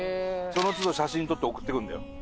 その都度写真撮って送ってくるんだよ。